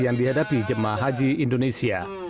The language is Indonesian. yang dihadapi jemaah haji indonesia